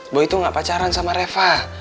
bahwa itu gak pacaran sama reva